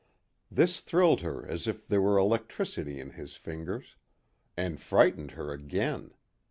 This thrilled her as if there were electricity in his fingers. And frightened her again.